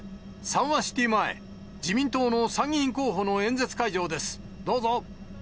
サンワシティ前、自民党の参議院候補の演説会場です、どうぞ。